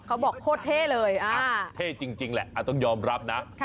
เขาบอกโคตรเท่เลยที่จริงแหละต้องยอมรับนะ